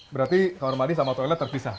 berarti kamar mandi sama toilet terpisah